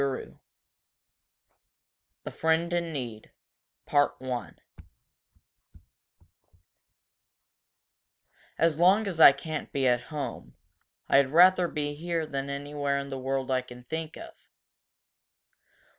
CHAPTER VIII A FRIEND IN NEED "As long as I can't be at home, I'd rather be here than anywhere in the world I can think of!"